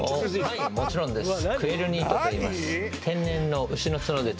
はいもちろんです。